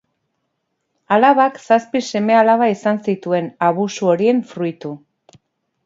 Alabak zazpi seme-alaba izan zituen abusu horien fruitu.